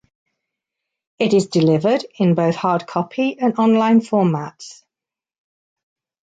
It is delivered in both hardcopy and online formats.